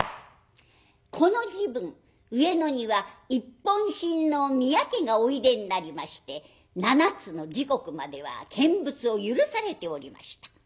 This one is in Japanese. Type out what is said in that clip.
この時分上野には一品親王宮家がおいでになりまして七つの時刻までは見物を許されておりました。